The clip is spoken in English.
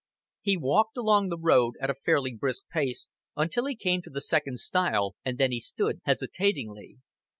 He walked along the road at a fairly brisk pace until he came to the second stile, and then he stood hesitatingly.